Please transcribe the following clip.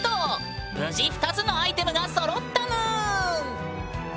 無事２つのアイテムがそろったぬん。